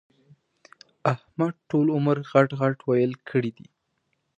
احمد ټول عمر غټ ِغټ ويل کړي دي.